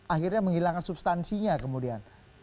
akhirnya menghilangkan substansinya kemudian